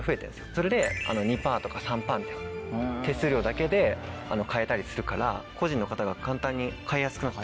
それで２％とか３％みたいな手数料だけで買えたりするから個人の方が簡単に買いやすくなってる。